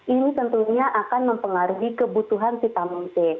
ini tentunya akan mempengaruhi kebutuhan vitamin c